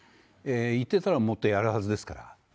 いってたらもっとやるはずですから。